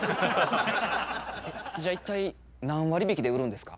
えっじゃあ一体何割引きで売るんですか？